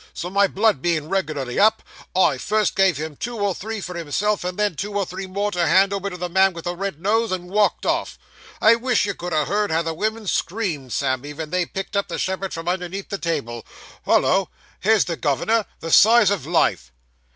So my blood being reg'larly up, I first gave him two or three for himself, and then two or three more to hand over to the man with the red nose, and walked off. I wish you could ha' heard how the women screamed, Sammy, ven they picked up the shepherd from underneath the table Hollo! here's the governor, the size of life.